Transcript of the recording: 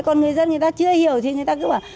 còn người dân người ta chưa hiểu thì người ta cứ bảo